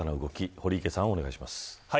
堀池さん、お願いします。